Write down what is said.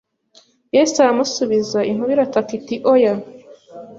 Yesu aramusubiza inkuba irataka iti oya